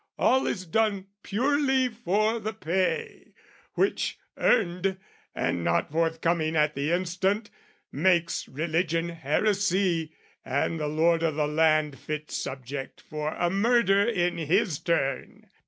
All is done purely for the pay, which, earned, And not forthcoming at the instant, makes Religion heresy, and the lord o' the land Fit subject for a murder in his turn.